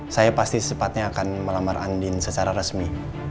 saya pasti sepatnya akan melamar andin secara resmi